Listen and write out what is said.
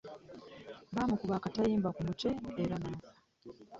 Baamukuba akatayimbwa ku mutwe era nafa.